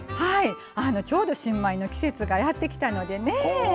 ちょうど新米の季節がやってきたのでね。